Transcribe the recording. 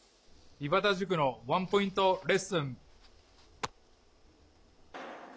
井端塾のワンポイントレッスン。